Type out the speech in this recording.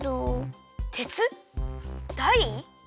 てつだい。